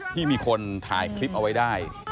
ที่มีคนถ่ายคลิปเอาไว้ได้